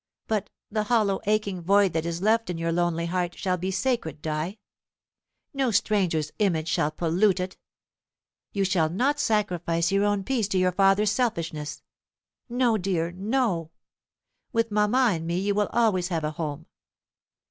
But the hollow aching void that is left in your lonely heart shall be sacred, Di. No stranger's image shall pollute it. You shall not sacrifice your own peace to your father's selfishness. No, dear, no! With mamma and me you will always have a home.